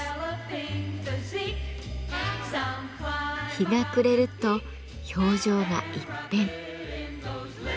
日が暮れると表情が一変。